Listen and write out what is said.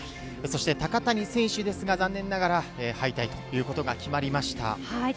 高谷選手ですが、残念ながら敗退ということが決まりました。